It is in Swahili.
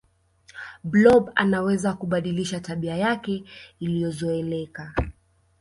blob anaweza kubadilisha tabia yake iliyozoeleka